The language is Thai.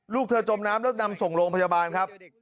ลูกเธอจมน้ำแล้วนำส่งโรงพยาบาลครับ